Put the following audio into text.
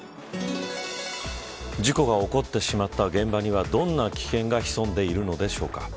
事故が起こってしまった現場には、どんな危険が潜んでいるのでしょうか。